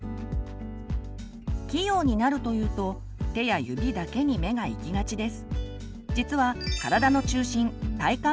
器用になるというと手や指だけに目が行きがちです。